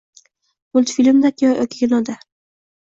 multfilmdami yo kinoda.